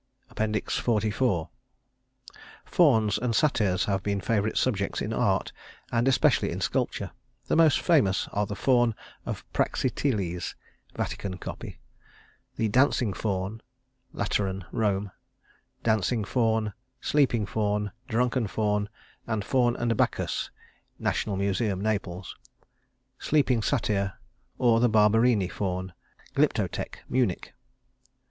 XLIV Fauns and satyrs have been favorite subjects in art and especially in sculpture. The most famous are the Faun of Praxiteles (Vatican, copy); the Dancing Faun (Lateran, Rome); Dancing Faun, Sleeping Faun, Drunken Faun, and Faun and Bacchus (National Museum, Naples); Sleeping Satyr, or the Barberini Faun (Glyptotek, Munich).